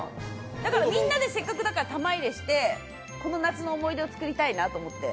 だからみんなでせっかくだから玉入れしてこの夏の思い出を作りたいなと思って。